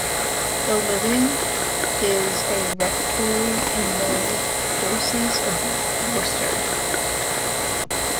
The living is a rectory in the diocese of Worcester.